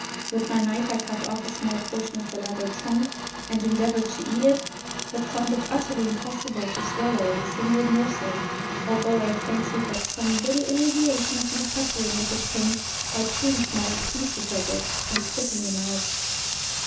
With my knife I cut off a small portion of the leather trunk, and endeavoured to eat it, but found it utterly impossible to swallow a single morsel, although I fancied that some little alleviation of my suffering was obtained by chewing small pieces of it and spitting them out.